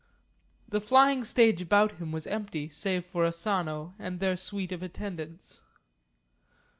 The flying stage about him was empty save for Asano and their suite of attendants.